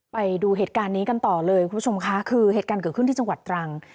ไปดูเหตุการณ์นี้กันต่อเลยคุณผู้ชมค่ะคือเหตุการณ์เกิดขึ้นที่จังหวัดตรัง